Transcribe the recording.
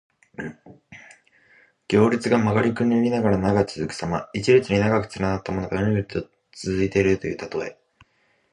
行列が曲がりくねりながら長く続くさま。一列に長く連なったものが、うねうねと続いているというたとえ。